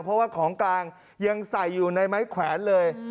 เพราะว่าของกลางยังใส่อยู่ในไม้แขวนเลย